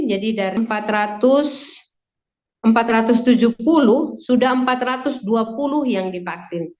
dari empat ratus tujuh puluh sudah empat ratus dua puluh yang divaksin